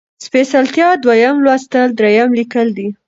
سپېڅلتيا ، دويم لوستل ، دريم ليکل دي